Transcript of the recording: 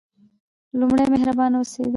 لومړی: مهربانه اوسیدل.